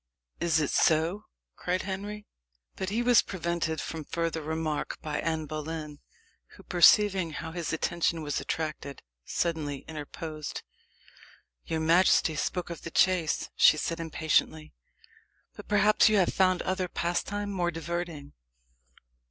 is it so?" cried Henry. But he was prevented from further remark by Anne Boleyn, who, perceiving how his attention was attracted, suddenly interposed. "Your majesty spoke of the chase," she said impatiently. "But perhaps you have found other pastime more diverting?"